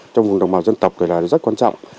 trong vùng đồng bào dân tộc rất quan trọng